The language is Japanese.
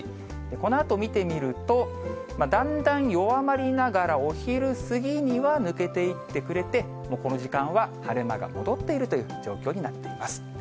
このあと見てみると、だんだん弱まりながら、お昼過ぎには抜けていってくれて、この時間は晴れ間が戻っているという状況になっています。